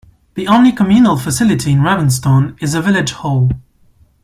The only communal facility in Ravenstone is the village hall.